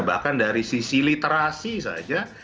bahkan dari sisi literasi saja